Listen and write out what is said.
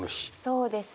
そうですね。